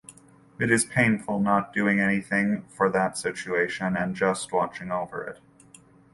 It is painful not doing anything for that situation and just watching over it.